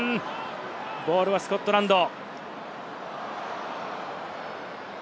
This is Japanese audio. ボールはスコットランド。